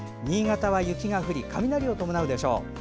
新潟は雪が降り雷を伴うでしょう。